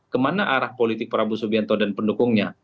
kemana arah politik prabowo subianto dan pendukungnya